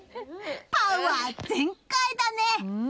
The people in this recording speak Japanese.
パワー全開だね！